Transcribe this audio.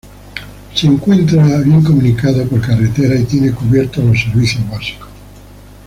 Se encuentra bien comunicado por carretera y tiene cubiertos los servicios básicos.